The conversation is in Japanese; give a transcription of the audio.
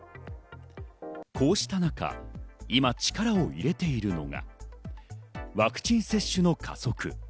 こうした中、今力を入れているのがワクチン接種の加速。